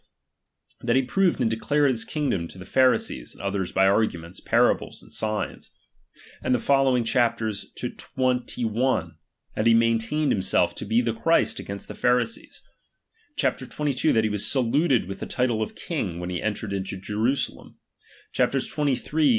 ^H that he proved and declared his kingdom to the ^H Pharisees and others by arguments, parables, and ^H signs ; and the following chapters to xxi., that he ^H maintained himself to be the Christ against the ^H Pharisees : chap, xxi., that he was saluted with ^H the title of king, when he entered into Jerusalem: ^H chaps, xxii., xxiii.